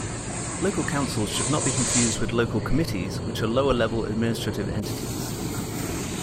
Local councils should not be confused with local committees, which are lower-level administrative entities.